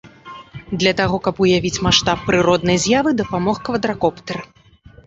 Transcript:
Для таго, каб уявіць маштаб прыроднай з'явы, дапамог квадракоптэр.